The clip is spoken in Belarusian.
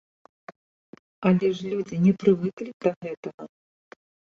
Але ж людзі не прывыклі да гэтага!